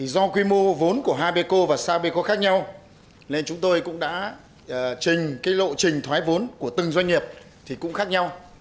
do quy mô vốn của hai meko và sapeco khác nhau nên chúng tôi cũng đã trình cái lộ trình thoái vốn của từng doanh nghiệp thì cũng khác nhau